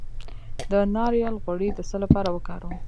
د ناریل غوړي د څه لپاره وکاروم؟